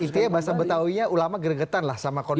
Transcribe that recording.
intinya bahasa betawinya ulama geregetan lah sama kondisi